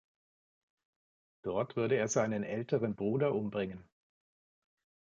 Dort würde er seinen älteren Bruder umbringen.